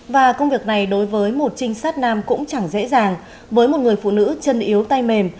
và công việc này đối với một trinh sát nam cũng chẳng dễ dàng với một người phụ nữ chân yếu tay mềm